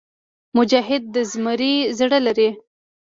مجاهد د زمري زړه لري.